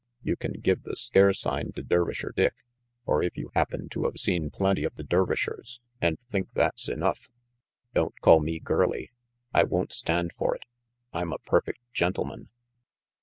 You can give the scare sign to Dervisher Dick, or if you happen to of seen plenty of the Dervishers and think that's enough "Don't call me * girlie'. I won't stand for it. I'm a perfect gentleman."